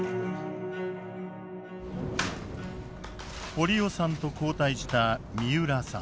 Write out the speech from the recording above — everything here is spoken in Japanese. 堀尾さんと交代した三浦さん。